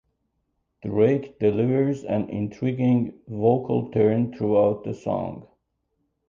Drake delivers an "intriguing" vocal turn throughout the song.